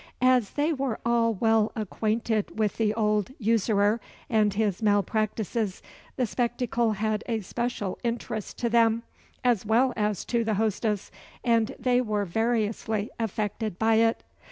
As they were all well acquainted with the old usurer and his mal practices, the spectacle had a special interest to them as well as to the hostess, and they were variously affected by it.